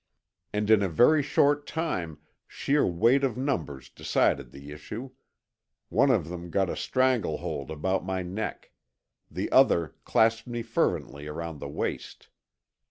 And in a very short time sheer weight of numbers decided the issue. One of them got a strangle hold about my neck. The other clasped me fervently around the waist.